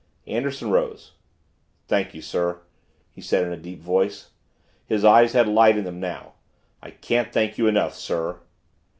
Anderson rose. "Thank you, sir," he said in a deep voice. His eyes had light in them now. "I can't thank you enough, sir."